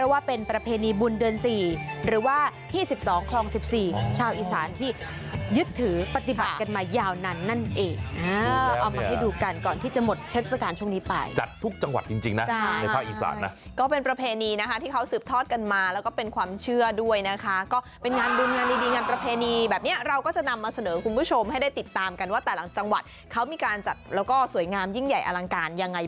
ว่าที่๑๒ครอง๑๔ชาวอีสานที่ยึดถือปฏิบัติกันมายาวนั้นนั่นเองเอามาให้ดูกันก่อนที่จะหมดเช็ดสการช่วงนี้ไปจัดทุกจังหวัดจริงนะในภาคอีสานนะก็เป็นประเพณีนะคะที่เขาสืบทอดกันมาแล้วก็เป็นความเชื่อด้วยนะคะก็เป็นงานดูงานดีงานประเพณีแบบนี้เราก็จะนำมาเสนอคุณผู้ชมให้ได้ติดตามกันว่าแต่ละจังหวั